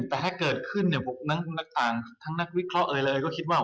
แต่ถ้าเกิดขึ้นเนี่ยทั้งนักวิเคราะห์เอ่ยก็คิดว่า